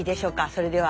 それでは。